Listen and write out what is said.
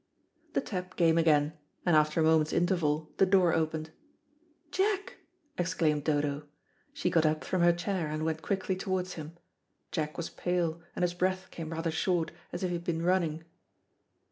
The tap came again, and after a moment's interval the door opened. "Jack!" exclaimed Dodo. She got up from her chair and went quickly towards him. Jack was pale, and his breath came rather short, as if he had been running.